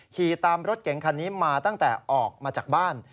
ขี่ตามรถเก๋งคันนี้มาตั้งแต่ออกมาจากบ้าน